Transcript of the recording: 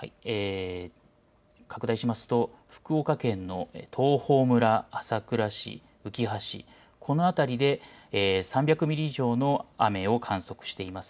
拡大しますと福岡県の東峰村、朝倉市、うきは市、この辺りで３００ミリ以上の雨を観測しています。